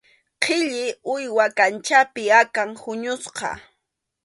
Qhilli, uywa kanchapi akan huñusqa.